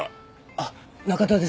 あっ中田です。